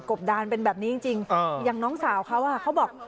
กบดานเป็นแบบนี้จริงจริงอ่าอย่างน้องสาวเขาอ่ะเขาบอก